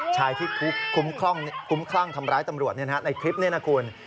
ชายที่คุ้มคลั่งทำร้ายตำรวจในคลิปนี้นะคุณ